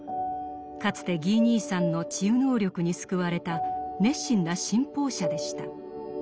かつてギー兄さんの治癒能力に救われた熱心な信奉者でした。